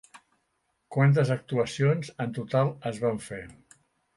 Quantes actuacions en total es van fer?